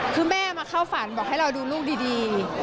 คือแม่มาเข้าฝันบอกให้เราดูลูกดี